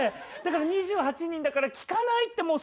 だから２８人だから利かないって。